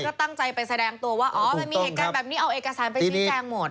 ก็ตั้งใจไปแสดงตัวว่าอ๋อมันมีเหตุการณ์แบบนี้เอาเอกสารไปชี้แจงหมด